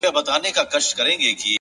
رمې دي د هغه وې اې شپنې د فريادي وې،